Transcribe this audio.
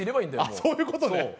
ああそういうことね。